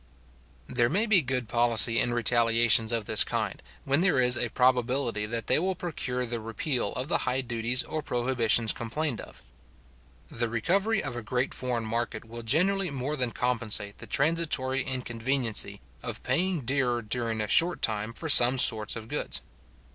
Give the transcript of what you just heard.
There may be good policy in retaliations of this kind, when there is a probability that they will procure the repeal of the high duties or prohibitions complained of. The recovery of a great foreign market will generally more than compensate the transitory inconveniency of paying dearer during a short time for some sorts of goods.